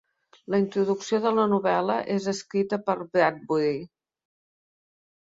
La introducció de la novel·la és escrita per Bradbury.